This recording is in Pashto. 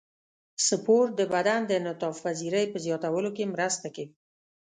سپورت د بدن د انعطاف پذیرۍ په زیاتولو کې مرسته کوي.